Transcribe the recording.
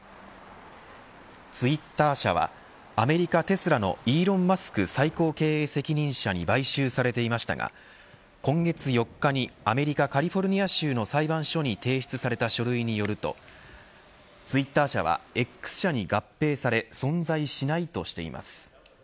ツイッター社はアメリカ、テスラのイーロン・マスク最高経営責任者に買収されていましたが今月４日に、アメリカカリフォルニア州の裁判所に提出された書類によるとツイッター社はＸ社に合併され存在しないとしています。